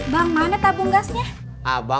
kalo nyampe umur kita dua hari lagi